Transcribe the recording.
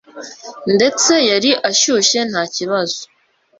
ndetse yari ashyushye nta kibazo,